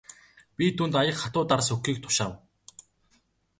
Би түүнд аяга хатуу дарс өгөхийг тушаав.